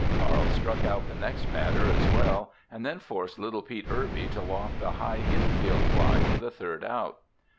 Carl struck out the next batter as well and then forced little Pete Irby to loft a high infield fly for the third out.